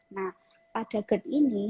nah pada gerd ini